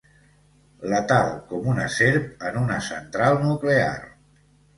Letal com una serp en una central nuclear.